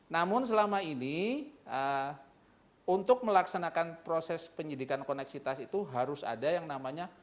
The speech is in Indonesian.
namun selama ini untuk melaksanakan proses penyidikan koneksitas itu harus ada yang namanya